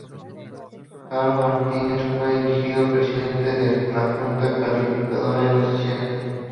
Caro Martínez fue elegido presidente de la junta calificadora en la sesión.